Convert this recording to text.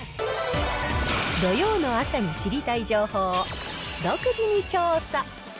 土曜の朝に知りたい情報を、独自に調査。